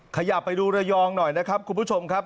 ขยับไปดูระยองหน่อยนะครับคุณผู้ชมครับ